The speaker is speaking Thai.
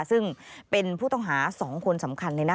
ซึ่งเป็นผู้ต้องหา๒คนสำคัญเลยนะ